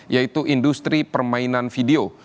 yaitu industri permainan video